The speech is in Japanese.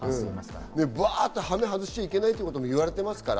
バっと羽目を外しちゃいけないということも言われていますから。